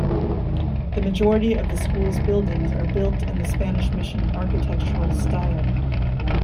The majority of the school's buildings are built in the Spanish Mission architectural style.